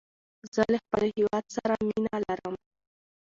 زه له خپل هيواد سره مینه لرم.